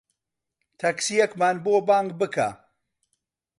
تەکسییەکمان بۆ بانگ بکە.